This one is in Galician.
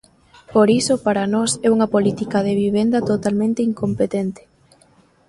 Por iso para nós é unha política de vivenda totalmente incompetente.